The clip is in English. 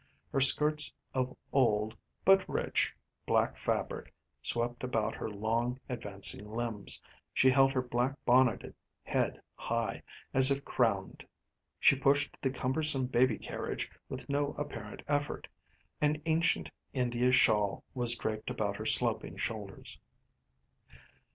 Her skirts of old, but rich, black fabric swept about her long, advancing limbs; she held her black bonneted head high, as if crowned. She pushed the cumbersome baby carriage with no apparent effort. An ancient India shawl was draped about her sloping shoulders.